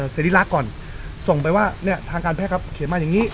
สิริรักษ์ก่อนส่งไปว่าเนี่ยทางการแพทย์ครับเขียนมาอย่างนี้